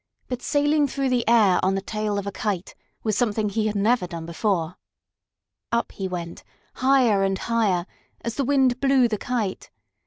But sailing through the air on the tail of a kite was something he had never done before. Up he went, higher and higher, as the wind blew the kite.